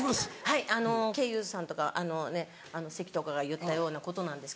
はい賢雄さんとか関とかが言ったようなことなんですけど。